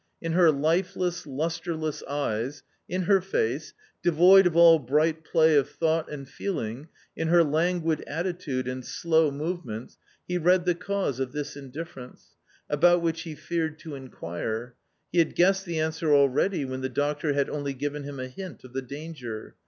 In her lifeless, lustreless • eyes, in her face, devoid of all bright play of thought and feeling, in her languid attitude and slow movements, he read the cause of this indifference, about which he feared to inquire ; he had guessed the answer already when the doctor had only given him a hint of the danger.